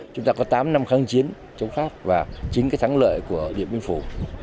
chúng ta có tám năm kháng chiến chống pháp và chính cái thắng lợi của điện biên phủ